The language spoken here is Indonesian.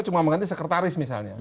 cuma mengganti sekretaris misalnya